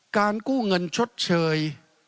การกู้เงินชดเชย